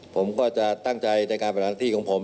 ผมก็จะตั้งใจในการเปลี่ยนลักษณ์ที่ของผม